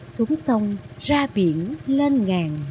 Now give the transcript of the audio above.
xuống sông ra biển lên ngàn